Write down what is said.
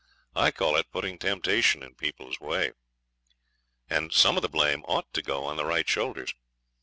I call it putting temptation in people's way, and some of the blame ought to go on the right shoulders.